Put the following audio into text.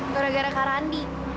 gara gara kak randy